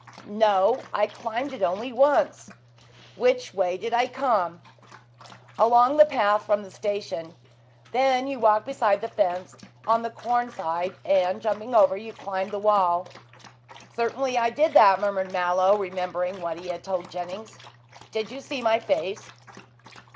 "No! I climbed it only once. Which way did I come?" "Along the path from the station. Then you walked beside the fence on the corn side, and jumping over, you climbed the wall." "Certainly I did that," murmured Mallow, remembering what he had told Jennings. "Did you see my face?"